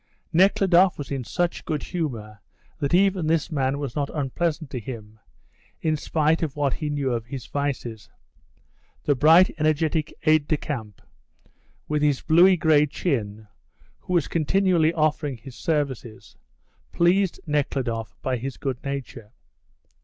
Nekhludoff was in such good humour that even this man was not unpleasant to him, in spite of what he knew of his vices. The bright, energetic aide de camp, with his bluey grey chin, who was continually offering his services, pleased Nekhludoff by his good nature.